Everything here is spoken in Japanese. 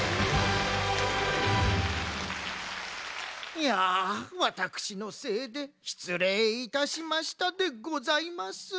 いやワタクシのせいでしつれいいたしましたでございます。